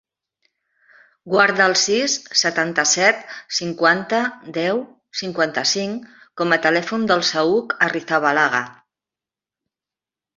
Guarda el sis, setanta-set, cinquanta, deu, cinquanta-cinc com a telèfon del Saüc Arrizabalaga.